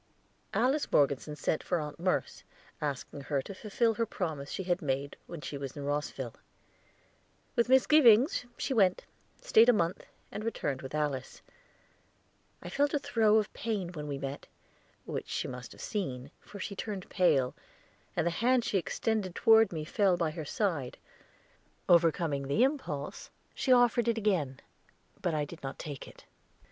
Alice Morgeson sent for Aunt Merce, asking her to fulfill the promise she had made when she was in Rosville. With misgivings she went, stayed a month, and returned with Alice. I felt a throe of pain when we met, which she must have seen, for she turned pale, and the hand she had extended toward me fell by her side; overcoming the impulse, she offered it again, but I did not take it.